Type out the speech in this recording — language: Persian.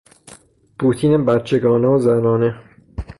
پوتین بچگانه و زنانه